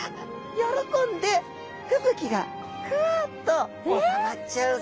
喜んで吹雪がふっとおさまっちゃうそうな。